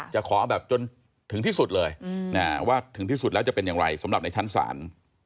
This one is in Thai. ขอเอาแบบจนถึงที่สุดเลยว่าถึงที่สุดแล้วจะเป็นอย่างไรสำหรับในชั้นศาล